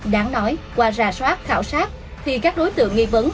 đáng nói qua ra soát khảo sát thì các đối tượng nghi vấn